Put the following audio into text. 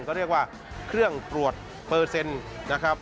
ก็เรียกว่าเครื่องตรวจเปอร์เซ็นต์นะครับ